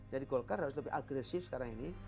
jadi golkar harus lebih agresif sekarang ini